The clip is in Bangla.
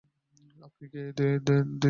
আপনি কে, দিদি?